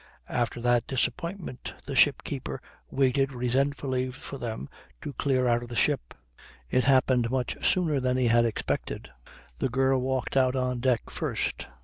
After that disappointment the ship keeper waited resentfully for them to clear out of the ship. It happened much sooner than he had expected. The girl walked out on deck first.